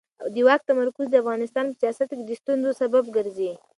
د واک تمرکز د افغانستان په سیاست کې د ستونزو سبب ګرځي